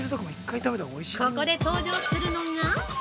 ここで登場するのが◆